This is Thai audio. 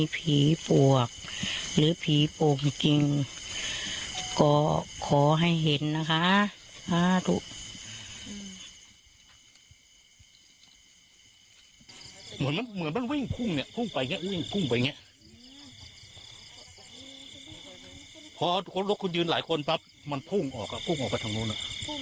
พุ่งออกอ่ะพุ่งออกไปทางโน้นอ่ะ